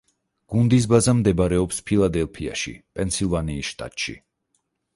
გუნდის ბაზა მდებარეობს ფილადელფიაში, პენსილვანიის შტატში.